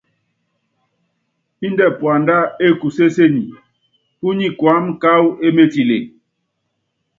Índɛ puandá ékusésenyi, púnyi kuáma káwɔ émetile.